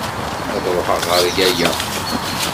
Ad ṛuḥeɣ ɣer yaya.